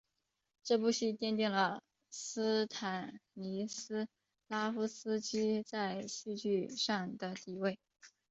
这部戏奠定了斯坦尼斯拉夫斯基在戏剧上的地位。